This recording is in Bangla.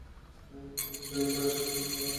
তিনি কয়েকশ্ত জাহাজ পাঠান।